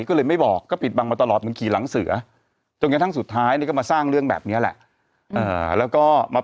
กระทุ่งนั้นก็เหมือนคนทองนะเธอเนาะ